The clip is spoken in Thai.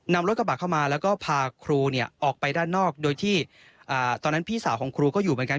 นำรถกระบะเข้ามาแล้วก็พาครูออกไปด้านนอกโดยที่ตอนนั้นพี่สาวของครูก็อยู่เหมือนกัน